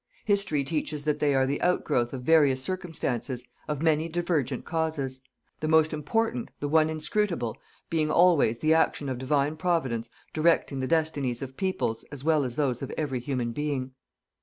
History teaches that they are the outgrowth of various circumstances, of many divergent causes, the most important, the one inscrutable, being always the action of Divine Providence directing the destinies of peoples as well as those of every human being.